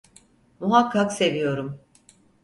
Muhakkak seviyorum.